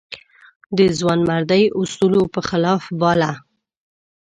د ځوانمردۍ اصولو په خلاف باله.